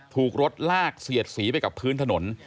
ถูกรถลากเสียดสีไปกับพื้นถนน